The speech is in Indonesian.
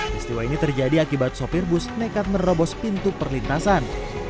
peristiwa ini terjadi akibat sopir bus nekat menerobos pintu perlintasan